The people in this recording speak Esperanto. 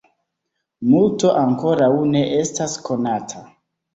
Multo ankoraŭ ne estas konata.